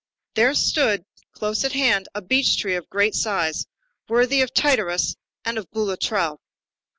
There stood close at hand a beech tree of great size, worthy of Tityrus and of Boulatruelle.